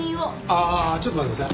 ああちょっと待ってください。